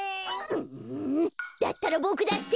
うだったらボクだって！